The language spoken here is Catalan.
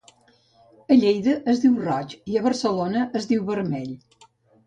A Lleida es diu roig i a Barcelona es diu vermell